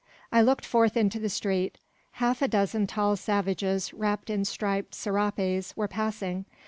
I looked forth into the street. Half a dozen tall savages, wrapped in striped serapes, were passing.